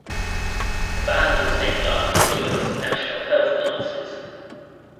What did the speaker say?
The band was named after Stewart's National Health glasses.